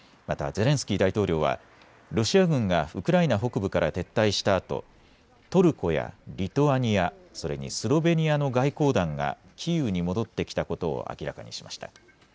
またゼレンスキー大統領はロシア軍がウクライナ北部から撤退したあとトルコやリトアニア、それにスロベニアの外交団がキーウに戻ってきたことを明らかにしました。